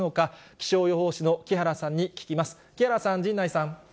気象予報士の木原さんに聞きます。